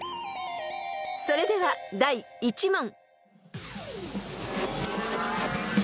［それでは第１問］